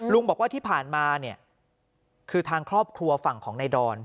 ลุงบอกว่าที่ผ่านมาเนี่ยคือทางครอบครัวฝั่งของนายดอน